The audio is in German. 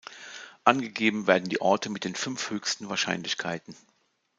Angegeben werden die Orte mit den fünf höchsten Wahrscheinlichkeiten.